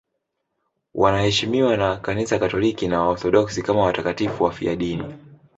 Wanaheshimiwa na Kanisa Katoliki na Waorthodoksi kama watakatifu wafiadini.